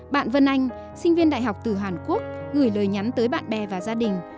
bạn vân anh sinh viên đại học từ hàn quốc gửi lời nhắn tới bạn bè và gia đình